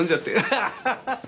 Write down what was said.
ハハハハ！